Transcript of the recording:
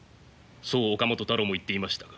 そう岡本太郎も言っていましたが。